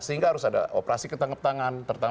sehingga harus ada operasi ketangkep tangan